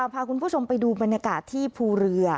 พาคุณผู้ชมไปดูบรรยากาศที่ภูเรือ